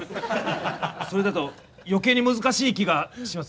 それだとよけいに難しい気がします。